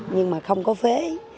nhưng mà không có phế